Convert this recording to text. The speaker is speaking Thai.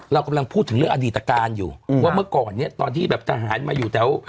เรากำลังพูดถึงเรื่องอดีตการอยู่ว่าเมื่อก่อนเนี้ยตอนที่แบบทหารมาอยู่แถว